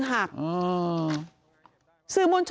พระต่ายสวดมนต์